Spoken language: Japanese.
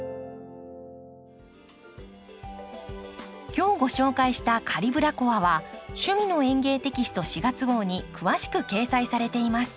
今日ご紹介した「カリブラコア」は「趣味の園芸」テキスト４月号に詳しく掲載されています。